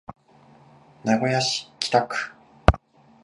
名古屋市北区